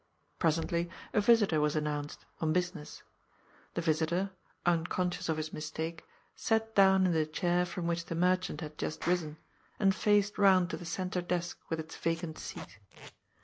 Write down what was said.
Presently a visitor was announced, on business. The visitor, unconscious of his mistake, sat down in the chair from which the merchant had just risen, and faced round to the centre desk with its vacant seat.